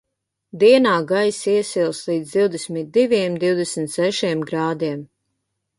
Dienā gaiss iesils līdz divdesmit diviem divdesmit sešiem grādiem.